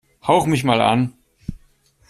Hauch mich mal an!